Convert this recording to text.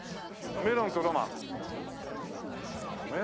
メロンとロマン。